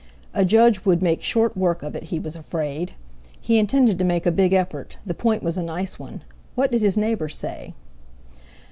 A Judge would make short work of it, he was afraid. He intended to make a big effort—the point was a nice one. What did his neighbour say?